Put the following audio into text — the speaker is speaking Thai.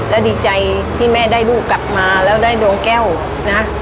และดีใจที่แม่ได้ลูกกลับมาแล้วได้ดวงแก้วนะ